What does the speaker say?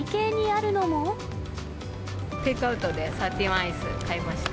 テイクアウトでサーティワンアイス買いました。